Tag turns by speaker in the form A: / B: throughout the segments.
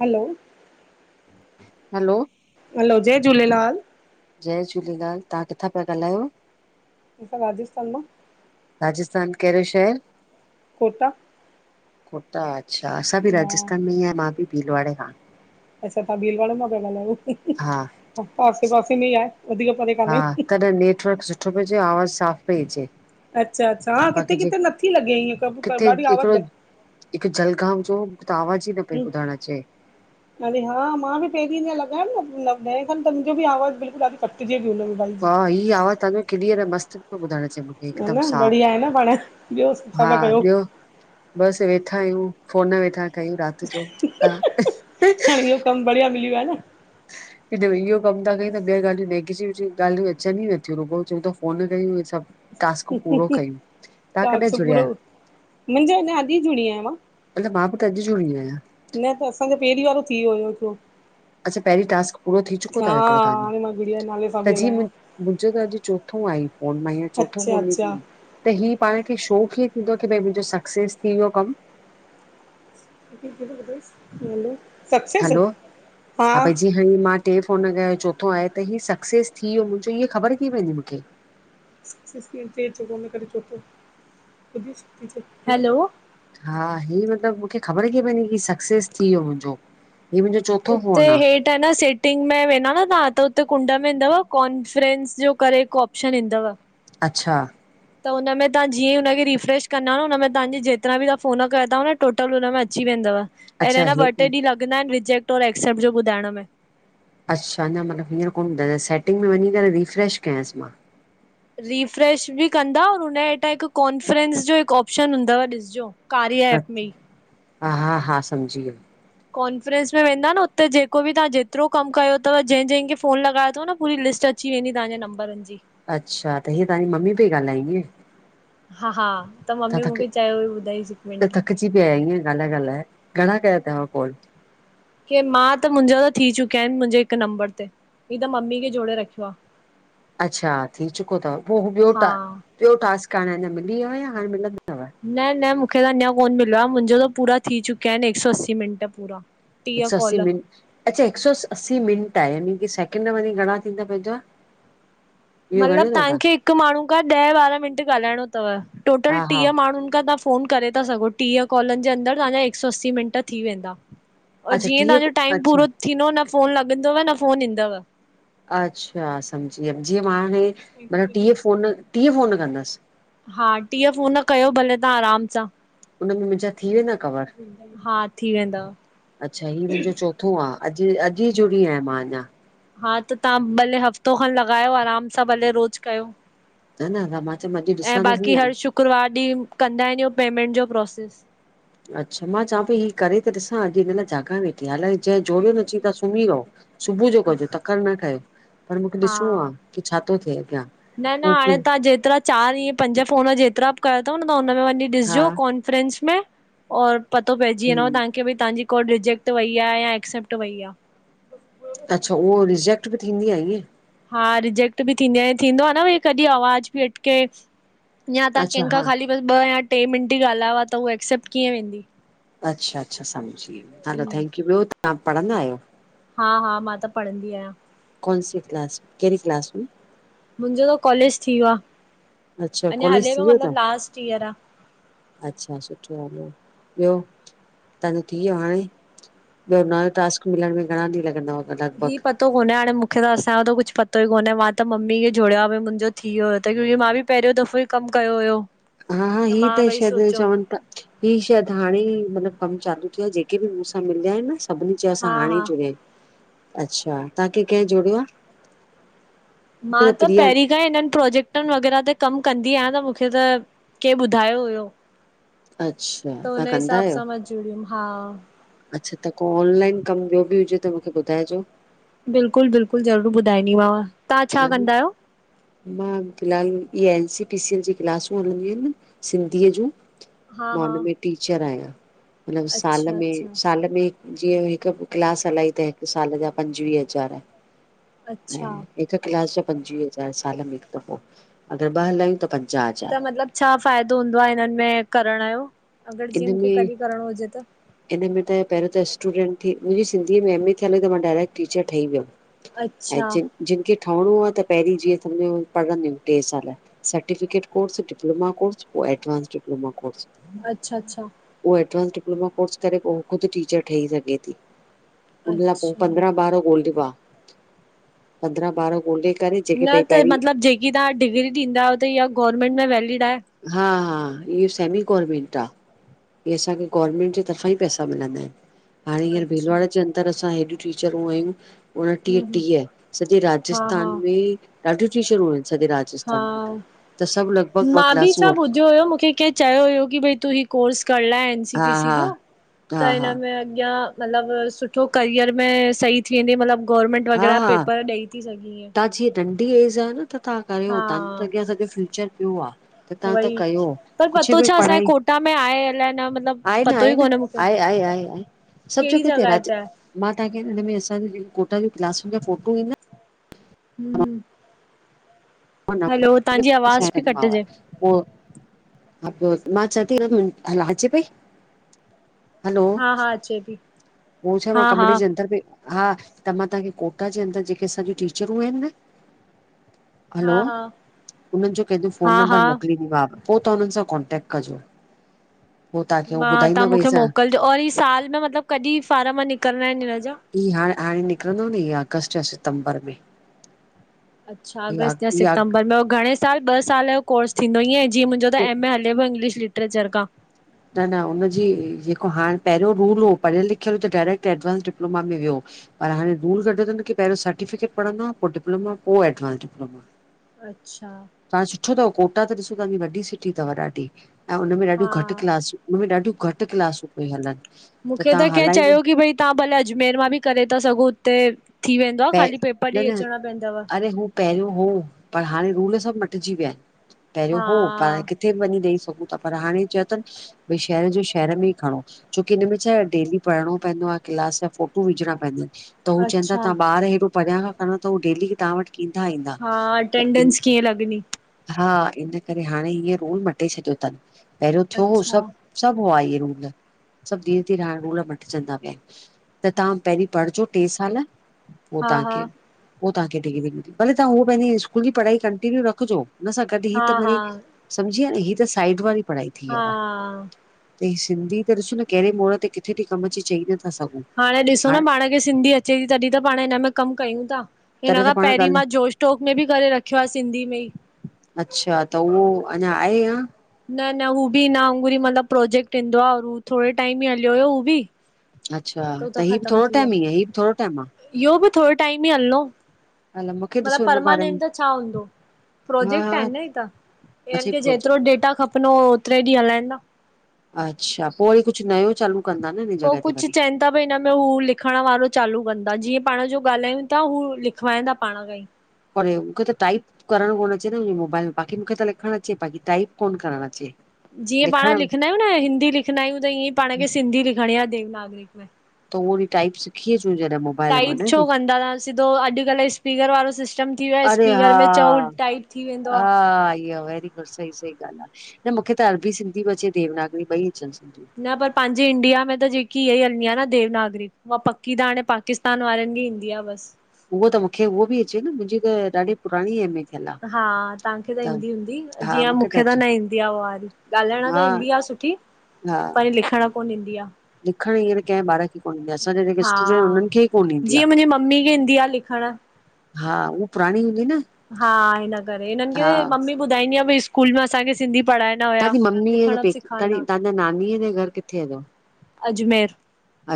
A: Hello
B: hello - -
A: hello, जय झूलेलाल।
B: जय झूलेलाल, तव्हां किथां पिया ॻाल्हायो?
A: असां राजस्थान मां।
B: राजस्थान कहिड़ो शहर?
A: कोटा
B: कोटा, अच्छा असां बि
A: हा,
B: राजस्थान में ही मां बि भीलवाड़े खां।
A: अच्छा तव्हां भीलवाड़ा मां पिया
B: हा
A: ॻाल्हायो आसे पासे में ई आहे वधीक परे काने।
B: पर नेटवर्क सु सुठो प्यो अचे आवाज़ु साफ़ पई अचे
A: अच्छा अच्छा हा किथे
B: बाक़ी जे
A: किथे नथी लॻे ईअं
B: किथे
A: ॾाढी आवाज़
B: हिकिड़ो
A: घट
B: हिकु जलगांव जो मुंखे त आवाज ही न पई
A: घटि
B: ॿुधणु अचे।
A: अरे हा मां बि पहिरीं ईअं लॻायमि न ॾहें खनि त मुंहिंजो बि आवाज़ु बिल्कुल ॾाढी घटिजे पई हुन में। भाई जी।
B: हा ई आवाज़ तव्हांजो क्लीयर आ मस्त थो ॿुधण अचे मुखे।
A: ह न बढ़िया आहे न पाण। ॿियो छा
B: हा
A: था कयो?
B: ॿियो बसि वेठा आहियूं फोन वेठा कयूं राति जो।
A: हाणे इहो कमु बढ़िया मिली वियो आ न?
B: इहो कमु था कयूं त ॿियूं ॻाल्हियूं नेगिटिविटी जी ॻाल्हियूं अचन ही नथयूं चंउता रूॻो फ़ोन कयूं सभ टास्क पूरो कयूं। तव्हां कॾहिं
A: टास्क
B: जुड़िया
A: पूरो
B: आहियो?
A: मुंहिंजो अञा अॼु ई जुड़ी आहियां मां।
B: मतलब मां बी त अॼु जुड़ी आहिया।
A: न त असांजो पहिरीं वारो थी वियो हुओ हिकड़ो।
B: अच्छा पहिरीं टास्क पूरो थी चुकयो तव हिकिड़ो तव्हांजो?
A: हाणे मां गुड़िया जे नाले सां पई
B: त जीअ मु
A: हलायां
B: मुंहिंजो त अॼु चोथो आहे फोन मा हियर चोथो
A: अच्छा
B: फोन ई
A: अच्छा
B: थीय त ही पाण खे शौ क़ुीअं थींदो की भई मुंहिंजो सक्सेस थी वियो कम?
A: [unintelligible]
B: हैलो हा बाईजी हा मां टे फ़ोन कया, चोथो आहे त हीउ सक्सैस थी वियो, मुंहिंजो हीअ ख़बर किअं पवंदी मूंखे?
A: हैलो
B: हा ही मतिलब मूंखे ख़बर किए पवंदी की सक्सेस थी वियो मुंहिंजो हीउ मुंहिंजो। चोथों
A: उते
B: फोन आहे
A: हेठि - - त न सेटिंग में वेंदा न तव्हां त हुते कुंड में ईंदव कॉन्फ्रेंस जो करे हिकु ऑप्शन ईंदव।
B: अच्छा।
A: त हुन में तव्हां जीअं ई हुनखे रिफ्रेश कंदाव न हुन में तव्हांजी जेतिरा बि तव्हां फ़ोन कया अथव न टोटल हुन में अची वेंदव। ऐं
B: अच्छा
A: हिनमें न
B: हे
A: ॿ टे ॾींहं लॻंदा आहिन रिजेक्ट और एक्सेप्ट जो ॿुधाइण में।
B: अच्छा न मतिलब हींअर कोन ॿुधायो सेटिंग में वञी करे रिफ्रेश कयांस मां?
A: रीफ्रेश बि कंदा और हुनजे हेठां हिकु कॉन्फ्रेंस जो हिकु ऑप्शन हूंदव ॾिसजो। कार्य ऐप में।
B: हा हा हा सम्झी वियम।
A: कॉन्फ्रेंस में वेंदा न हुते जेको बि तव्हां जेतिरो कमु कयो अथव जंहिं जंहिंखे फ़ोन लॻायाे अथव न पूरी लिस्ट अची - - अची वेंदी तव्हांजे नम्‍बर जी।
B: अच्छा त ही तव्हांजी ममी पई ॻाल्हाईएं।
A: हा हा त मम्मी मूंखे चयो हुई ॿुधाई सिक मिंट।
B: थकजी पिया अयाे इये ॻाल्हाए ॻाल्हाए घणा कया अथव कोल - -
A: ही त मां त मुंहिंजा त थी चुकिया आहिन मुंहिंजे हिकु नंबर ते ही त मम्मी खे जोड़े रखियो आ।
B: अचछा थी चुको
A: हा
B: अथव टास्क हाणेञ मिली वियो।
A: न न मूंखे त अञा कोन्ह मिलियो आहे मुंहिंजो त पूरा थी चुकिया आहिन हिक सौ असीं मिंट पूरा।
B: हिक
A: टीह
B: सौ असी
A: कॉल
B: मिनट अच्छा हिकु सौ अस मिंट आहे यानी की सैकिड वञी घणा थींदा पंहिंजा। इहो
A: मतलब
B: ॻणियो अथव तव्हां?
A: तव्हांखे हिक माण्हू खां ॾह ॿारहां मिंट ॻाल्हाइणो अथव टोटल
B: हा हा
A: टीह माण्हुन खां त - फोन करे था सघो टीह कॉलनि जे अंदर तव्हांजा हिक सौ असी मिंट थी वेंदा।
B: अच्छा
A: जीअं
B: टीह
A: तव्हांजो टाइम
B: अच्छा
A: पूरो थींदो न फोन लगॻंदव न फोन ईंदव।
B: अच्छा सम्झी वियम जीअं मां हाणे मतबा टीह फ़ोन टीह फफ़ोन कंदस।
A: हा टीह फ़ोन कयो भले तव्हां आराम सां।
B: उन में मुंहिंजा थी वेंदा कवर
A: द हा थी वेंदा।
B: सुठो आहे अॼु अॼु ई जुड़ी आहियां मां अञा।
A: हा त तव्हां भले हफ़्तो खन लॻायो आराम सां भले रोज कयो।
B: त न द मां च अॼु ॾिसंदसींयां।
A: कुकरवार ॾींहुं कंदा आहिन जो पेमेंट जो प्रोसेस।
B: अच्छा मां चवां पई ही करे त ॾिसां अॼु हिन लाइ जाॻाए वेठ। हालाए जंहिं जोड़ियो न अची त सुम्ही रहो सुबुह जो कजो तकड़ि न ठहियो। पर मूंखे ॾिसणो
A: हा
B: आहे की छा थो थिए अॻियां।
A: न न हाणे
B: मूंखे
A: तव्हां जेतिरा चारि इअ पंज फोन जेतिरा बि कयोया अथव न तव्हां हुनम में वञी
B: हा
A: ॾिसजो कॉन। फ्रेंच में और पतो पइजी वें
B: हम
A: तव्हांखे भई तव्हांजी। को रिजेक्ट वेई आहे या एक्सेप्ट वई आ।
B: अच्छा उहो रिजेक्ट बि थींदी आहे ईअं।
A: हा रिजेक्ट बि थींदी आहे थींदो आहे न भई कॾहिं आवाज़ बि अटके। या तव्हां
B: अच्छा
A: कंहिंख खां
B: हा
A: ख़ाली बस ॿ या टे मिंट ई ॻाल्हायो त हूहा एक्सेप्ट कीअं वेंदी।
B: अच्छा अच्छा सम्ी वियम हलो
A: ईअं
B: थैंक्यू ॿियो तव्हां पढ़ंदा आहियो।
A: हा हा मां त पढ़ंदी आहियां।
B: काेन सी क्लास कहिड़ी क्लास में?
A: मुंहिंजो त कॉलेज थी वियो
B: अच्छा
A: आहे अने हले
B: कॉलेज थी
A: पियो
B: वियो
A: मतिलब
B: अथव
A: लास्ट ईयर आ।
B: अच्छा सुठो आहेलो ॿियो तव्हांजो थी वियो हाणे? ॿियो नओं टास्क मिलण में घण ॾींहं लॻंद?
A: ही पत - - पतो कोन्हे हाणे त असां जो त कुझु पतो ई कोन्हे, मां त मम्मी खे जोड़यो आ भई, मुंहिंजो थी वियो यो त क्योकी मां बि पहिरियों दफ़ो ई कमु कयो हुयो।
B: हा हा, ही
A: मां
B: त
A: भई
B: शायद
A: सोचियो
B: चंवन ता ही शायद हाणे ई मतलबु कमु चालू थियो आ, जेके बि मूंसां मिलिया आहिन न सभिनी चयो
A: हा
B: असां हाणे
A: हा
B: ई जुड़िया यूं अच्छा तव्हांखे कंहिं जुड़ियो आहे
A: मां
B: मूंखे
A: त
B: प्रिया
A: पहिरीं हिननि प्रोजेक्टनि वग़ैरह ते कमु कंदी आहियां त मूंखे त कं ॿुधायो हुयो।
B: अच्छा तहां कंदा आहियो।
A: स्टूडियोम, हा।
B: अच्छा त को ऑनलाइन कमु ॿियो बि हुजे त मूंखे ॿुधाइजो।
A: बिल्कुलु बिल्कुलु, ज़रूरु ॿुधाईंदी मांव, तहां छा
B: हा न
A: कंदा आहियो?
B: मां फ़िलहाल इहे N C P C L जी क्लासूं हलंदी आइन न सिंधीअ जूं
A: हा
B: मां
A: हा
B: हुनमें टीचर आहियां, मतलब साल
A: अच्छा
B: में,
A: अच्छा
B: साल में जीअं हिक क्लास हलाई त हिक साल जा पंजवीह हज़ार,
A: अच्छा
B: ऐं हिक क्लास जा पंजवीह हज़ार साल में हिक दफ़ो, अगर ॿ हलायूं त प
A: त मतलब छा फ़ायदो हूंदो आ हिननि में करण जो, अगर जीअं
B: इन
A: मूंखे
B: में
A: कॾि करणों हुजे त?
B: इन में त पहिरियों त स्टूडेंट थी, मुंहिंजी सिंधीअ में एम ए थियल हुई त मां डायरेक्ट टीचर ठही वियम। ऐं
A: अच्छा
B: जिन जिन खे ठ‌ओणो आ त पहिरीं जीअं, सम्झो पढ़ंदियूं ट्रे साल। सर्टिफिकेट कोर्स, डिप्लोमा कोर्स पो एडवांस डिप्लोमा कोर्स।
A: अच्छा अच्छा।
B: उहो एडवांस डिप्लोमा कोर्स करे पो ख़ुद टीचर ठही सघे थी। उन लाए पो
A: अच्छा
B: पंद्रां ॿार ॻोल्हिॿा, पंद्रां ॿार ॻोल्हे करे जेके
A: न
B: भई
A: त
B: पहिरीं
A: मतलब जेकी तहां डिग्री ॾींदा आयो त इहा गवर्नमेंट में वैलिड आहे?
B: हा हा, इहो सेमी गवर्नमेंट आ। इहे असांखे गवर्नमेंट जे तर्फ़ां ई पैसा मिलंदा आहिन। हाणे हींअर
A: अच्छा
B: भीलवाड़े जे अंदर असां हेॾियूं टीचरूं आयूं उणट्रीह,
A: हम्म हम्म
B: ट्रीह, सॼे
A: हा हा
B: राजस्थान में ॾाढियूं टीचरूं आइन सॼे राज
A: हा
B: स्थान में त, त सब लगभग भग
A: मां बि छा ॿुधियो हुयो, मूंखे कें चयो हुयो की भई तूं ही कोर्स करण लाए सी
B: हा
A: पी सी
B: हा
A: जो त
B: हा हा
A: हिनमें अॻियां मतलब सुठो करियर में सही थी वेंदय मतलब गवर्नमेंट
B: हा
A: वग़ैरह
B: हा
A: पेपर ॾेई थी सघी हिंय।
B: तव्हां जीअं नंढी एज आ न त तहां कयो, तहांजे त अॻियां सॼो फ्यूचर पियो आ। त तां त
A: वई
B: कयो,
A: पर
B: कुछ
A: पतो
B: बि
A: छा असांजे
B: पढ़ाई,
A: कोटा में आहे अलाए न मतिलबु
B: आहे न
A: पतो
B: आहे
A: ई
B: न
A: कोन्हे मूंखे
B: आहे आहे आहे आहे, सब
A: कहिड़ी
B: जगह ते,
A: जॻह
B: राज
A: आहे
B: मां तांखे हिन्न में असां जी, कोटा जी क्लासुं जा फोटू इंदा
A: हम्म।
B: [unintelligible]
A: हैलो, तव्हांजी आवाज़ पई कटिजे।
B: उहो, मां चंआंती तांखे आवाज अचे पई? हैलो।
A: हा हा अचे पई।
B: हू छा मां
A: हा हा
B: कमरे जे अंंदर बि हा, त मां तांखे कोटा जे अंदर जेके असांजी टीचरूं आहिन न हैलो।
A: हा हा
B: उनहन जो केजो फ़ोन
A: हा
B: नंबर
A: हा
B: मोकिलींदी माव। पो तां हुनन सां कॉन्टेक्ट कजो। पो तांखे उहो
A: मां तव्हां
B: ॿुधाईंदा भई
A: मूंखे
B: असां
A: मोकिलिजो और ई साल में मतलब कॾि फारम निकिरंदा आहिन हिन जा?
B: ई हाणे- हाणे निकरंदो न इ अगस्त या सितंबर में।
A: अच्छा
B: इहा
A: अगस्त या
B: इहा
A: सितंबर में। अऊं घणे साल ॿ साल जो कोर्स थींदो? ईअं जीअं मुंहिंजो त
B: टे
A: एम ए हल इंग्लिश लिटरेचर का
B: न न हुन जी, जेको हाणे पहिरियों रूल हो, पढियल लिखियल हु त, डायरेक्ट एडवांस डिप्लोमा में वियो। पर हाणे रूल कॾयो तन की पहिरियों सर्टिफिकेट पढ़न्दो, पो डिप्लोमा, पो एडवांस डिप्लोमा।
A: अच्छा।
B: तां सुठो तव कोटा त ॾिसो, ताहांजी वॾी सिटी तव ॾाढी। ऐं उनमें ॾाढियुं
A: हा
B: घटि उनमें ॾाढियूं घटि क्लासूं पई हलनि, त तां हलाईं
A: तां भले अजमेर मां बि करे ता सघो हुते, थी वेंदो आ
B: प
A: ख़ाली पेपर,
B: न
A: ॾेई
B: न
A: अचिणा पेंदव।
B: अरे हू पहिरियों हो, पर हाणे रूल सभु मटिजी विया आहिन। पहिरियों
A: हा
B: हो पर किथे बि वञी ॾेई सघूं था पर हाणे चयो तनि, भई शहर जो शहर में ई खणो। छोकी हिनमें छा डेली पढ़णो पेंदो आ, क्लास जा फोटू विझणा पेंदा इन। त हु चयनि था,
A: अच्छा
B: तां ॿार हेॾो परियां खां खणो, त हू डेली तां वटि किधां ईंदा?
A: हा,
B: त इन
A: अटेंडेंस कीअं लॻनी?
B: हा, इन करे हाणे इयें रूल मटे छॾियो तनि। पहिरियों थियो हो
A: अच्छा
B: सभि सभि हुआ इये रूल। सभि धीरे धीरे हाणे रूल मटिजंदा विया इन। त तहां पेंहिरीं पढ़जो टे साल पो
A: हा हा
B: ताहांखे, पो ताहांखे डिग्री मिलदी, भले तहां उह पेंहिंजी स्कूल जी पढ़ाई कंटीन्यू रखजो। हुन सां गॾु हीअ
A: हा
B: त
A: हा
B: वरी सम्झीअ न, ही त साइड वारी पढ़ाई थी
A: हा
B: वियव। त ही सिंधी त ॾिसो न केहिड़े मोड़ ते किथे थी कमु अचे, चई नथा सघूं।
A: हाणे ॾिसो न पाणु खे सिंधी अचे ती, तॾहिं त पाणु हिन में कमु कयूं ता। हिन
B: तॾहिं त
A: खां
B: पाण
A: पहिरीं
B: ॻाल्हि
A: मां जोश टोक में बि करे रखियो आ, सिंधी में ई।
B: अच्छा! त उहो अञा आहे या?
A: न न हू बि हिन वांगुर ई मतिलबु प्रोजेक्ट ईंदो आ, और हू थोरे टाइम ई हलियो हुयो हू बि।
B: अच्छा,
A: हू
B: त हीउ बि
A: ख़तमु
B: थोरो
A: थी वियो।
B: टाइम ई आहे? हीउ थोरो टाइम आ?
A: इहो बि थोरो टाइम ई हलणो,
B: हल मूंखे ॾिसो
A: मतिलबु
B: हिन बारे में
A: परमानेंट त छा हूंदो?
B: हा
A: प्रोजेक्ट
B: हा
A: आहिन न हे ता, हिननि खे
B: अच्छा
A: जेतिरो डेटा खपनो, ओतिरे ॾींहुं हलाईंदां।
B: अच्छा! पोइ वरी कुछ नयो चालू कंदा न
A: पो
B: जॻह ते
A: कुछ
B: वरी
A: चैन त बि हिनमें हू लिखण वारो चालू कंदा। जीअं पाणु जो ॻाल्हायूं था, हू लिखवाईंदा पाणु खां ई।
B: परे उखे त टाइप करणु कोन अचे न मुन्जे मोबाइल में, बाकि मूंखे त लिखणु अचे, बाकि टाइप कोन करणु अचे।
A: जीअं पाणु
B: लिखण
A: लिखंदा आहियूं न, हिंदी लिखंदा आहियूं त, ईअं ई पाणु खे सिंधी लिखणी आहे देवनागिरी में।
B: त उहो बि टाइप सिखी अचूं जॾहिं मो
A: टाइप छो कंदा ता? सिधो अॼुकल्ह स्पीकर वारो सिस्टम थी वियो आ, स्पीकर में चओ टाइप। थी वेंदो।
B: आ ईया वैरी पर सही सही ॻाल्हि आ। न मूंखे त अरबी सिंधी बि अचे, देवनागरी ॿई अचनि सिंधियु।
A: न पर पाहिंजे इंडिया में त जेकी इहा ई हलंदी आ न देवनागरी, उहा पक्की त हाणे पाकिस्तान तान वारनि खे ईंदी आ बसि।
B: उहो त मूंखे उहो बि अचे न, मुंहिंजी त ॾाढी पुराणी ऐन
A: हा, ताहांखे त ईंदी हूंदी, जीअं मूंखे त न ईंदी आ उहारी। ॻाल्हाइण त
B: हा
A: ईंदी आ सुठी, पर लिखणु कोन ईंदी आ।
B: लिखणु हींअर कै ॿार खे कोन ईंदी आ। असांजा जेके
A: हा।
B: स्टूडेंट, उन्हनि खे ई कोन ईंदी आ।
A: जीअं मुंहिंजी मम्मी खे ईंदी आहे लिखण
B: हा, उहा पुराणी हूंदी न?
A: हा हिन करे, हिननि
B: हा
A: खे मम्मी ॿुधाईंदी आ, भई स्कूल में असांखे सिंधी पढ़ाण
B: तवांजी ममी जां पेक, ताजी तांजा नानीअ जे घर किथेअ जो?
A: अजमेर।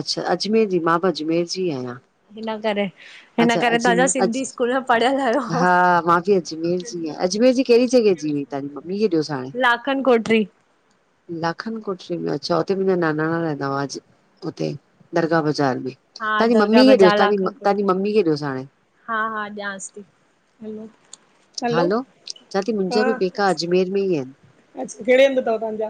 B: अच्छा अजमेर जी, मां बि अजमेर जी आहियां।
A: हिन करे, हिन
B: अच्छा
A: करे तव्हांजा
B: अजमेर
A: सिंधी स्कूल पढ़ियल आहियो।
B: हिंयं अजमेर जी आ, अजमेर जी कहिड़ी जॻहि जी हुई, तव्हांजी मम्मी खे ॾियोसि हाणे
A: लाखन कोटरी
B: लाखन कोठरी में, अच्छा होते मुहिंजा नानाणा रहंदा हुआ, जु हुते दरगाह बाज़ार में,
A: हा
B: तव्हांजी
A: दरगाह
B: मम्मी खेे ॾियोसि,
A: बाज़ार लाखन
B: तव्हांजी
A: कोटरी
B: मम्मी खे ॾियोसि हाणे
A: हा, हा ञास थी, हलो
B: हलो, चां थी मुंहिंजा बि
A: हा
B: पेका अजमेर में ई आहिनि।
A: अच्छा कहिड़े हंधि अथव तव्हांजा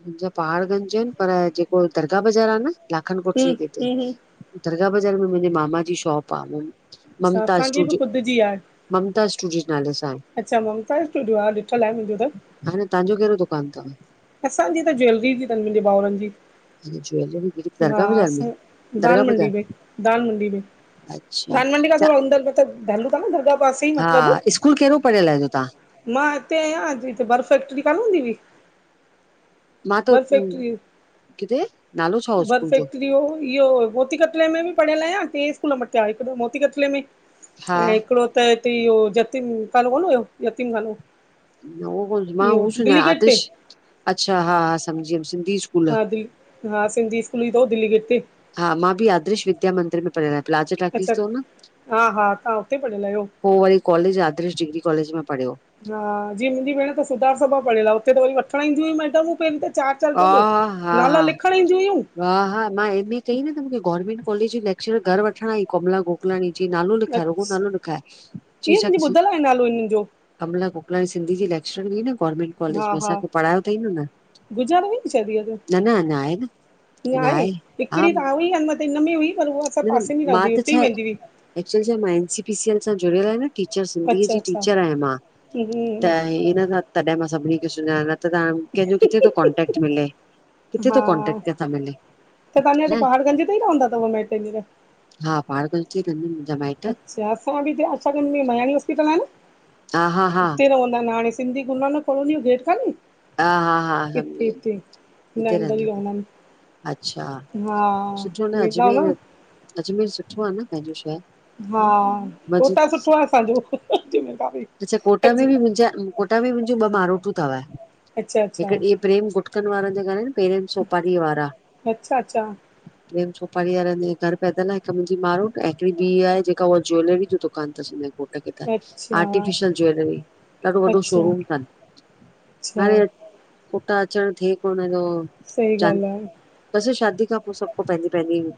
B: मुंहिंजा पहाड़ गंज आहिनि, पर जेको दरगाह बाज़ारि आ न, लाखनि
A: हूं
B: कोठरी जे हुते।
A: हूं हूं
B: दरगाह बाज़ार में मुंहिंजे मामा जी शॉप आ,
A: अच्छा
B: ममता
A: असांजी बि
B: स्टूडियो
A: ख़ुदि जी आहे।
B: ममता स्टूडियो नाले सां आहे।
A: अच्छा ममता स्टूडियो, हा ॾिठल आहे मुंहिंजो त
B: भेण तव्हांजो कहिड़ो दुकान थव?
A: असांजी त ज्वैेलरी जी तनि, मुंहिंजे भाउरनि जी।
B: जो ज्वैलरी
A: हा असां, दाल मंडी में, दाल मंडी में।
B: अच्छा।
A: दालु मंडी खां थोरा अंदर मतलभु [unintelligible] आ न, दरगा पासे ई मतिलब
B: हा स्कूल कहिड़ो पढ़ियल आहियो तव्हां?
A: मां हिते आहियां अॼु हिते बर्फ फैक्ट्री कान्ह हूंदी हुई।
B: मां तो,
A: बर
B: किथे? नालो छा हो
A: बरफ
B: स्कूल जो?
A: फैक्ट्री हो इहो मोती कतले में बि पढ़ियल आहियां, टे स्कूल मटेया हिक त मोती कतले में
B: हा
A: ऐ हिकिड़ो त हिते यो जतिन खानो कोनु हुयो यतीम खानो
B: [unintelligible] मां
A: इहो
B: हूं सुञाणा
A: दिल्ली गेट ते
B: आर्दिश, अच्छा हा, हा समझी वियम सिंधी स्कु
A: हा दिल, हा सिंधी स्कूल ई हो दिल्ली गेट ते
B: हा मां ॿि आदरिश विद्या मंदिर में पढ़ियल आहियां प्लाज़ो टाकीस
A: अच्छा
B: तव न
A: हा हा तव्हां हुते पढ़ियल आहियो
B: पोइ वरी कॉलेज आदरिश डिग्री कॉलेज में मां पढ़ियो।
A: हा जीअ मुंहिंजी भेण त सुधार सभा पढ़ियल आ हुते त वरी वठणु ईंदियूं मैडम पै चार, चार
B: हा
A: गॾ
B: हा
A: नाला
B: हा
A: लिखणु ईंदुयूं
B: हा, हा, मां एमए कई न त मूंखे गोर्मेंट कॉलेज जी लेक्चरर घर वठण आई कमला गोपलाणी जी नालो लिखाए रूगो
A: अच्छा
B: नालो लिखाए जी
A: ईअं मुंहिंजी
B: सज
A: ॿुधल आहे नालो हिननि जो
B: कमला गोपलाणी सिंधी जी लेक्चर हुई न गोर्मेंट कॉलेज
A: हा
B: में,
A: हा
B: असांखे पढ़ायो थई न हुन
A: गुज़ारे वई न शायद ईअ त,
B: न न अञा आहे न
A: इया
B: अञा
A: आहे? हिकिड़ी
B: हा
A: त आउनीं अनहद त हिन में हुई पर उह असां पासे में रहंदी हुते ई वेंदी हुई
B: एक्चुल छा मां न सी पी सी एल सां जुड़ियलु आह ना टीचर, सिंधीअ
A: अच्छा
B: जी
A: अच्छा
B: टीचर आ मां, त इ न तॾहिं मां सभिनी खे सुञाणा त तां कंहिंजो किथे तो कॉन्टेक्ट मिले किथे
A: हा,
B: थो कॉन्टेक्ट कंहिंसां मिले
A: त तहाजें हिते
B: न
A: पहाड़गंज त ई रहंदा तव माइट्रय [unintelligible]
B: हा पहाड़गंज जे ही रहंदा आहिनि मुंहिंजा माइट्रय
A: अच्छा असां बि जे आशागंज में मयाड़ी हॉस्पिटल आ न
B: हा हा हा
A: हिते रहंवदा हाणे सिंधी गुरुनानक काॅलोनी यो गेट का ने
B: हा, हा, हा, [unintelligible] हुते
A: अंदर ई
B: रहदां थव
A: रहंदा आहिनि
B: अच्छा,
A: हा
B: सुठो न,
A: वेंदा हूंदा
B: अजमेर,
A: न
B: अजमेर सुठो आ न पंहिंजो शहर
A: हा,
B: मज़ो
A: कोटा सुठो आ असांजो, जिमेदारी
B: अच्छा कोटा में ॿि मुंहिंजा कोटा में बि मुंहिंजूं ॿह मारोटूं थव
A: अच्छा अच्छा,
B: हिकि ॾिह प्रेम गुटकनि वारनि जे घरु आहिन प्रेम सोपारीअ वारा
A: अच्छा अच्छा,
B: प्रेम सुपारी वारन जे घरु पैदल आहे हिक मुंजी मारोट्र ऐं हिकड़ी ॿी आहे जेका उह ज्वेलरी जो दुक् कान तस उनये घोटु ट खे त
A: अच्छा,
B: आर्टिफिशियल ज्वेलरी ॾाढो वॾो
A: अच्छा,
B: शोरूम थनि
A: अच्छा,
B: हाणें कोटा अचणु थिए कोन्ह तो
A: सही ॻाल्ह आहे
B: बसि शादी खां पो सभु को पहिंजी पहिंजी